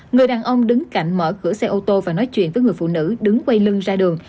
người đàn ông đứng cạnh mở cửa xe ô tô và nói chuyện với người phụ nữ đứng quay lưng ra đường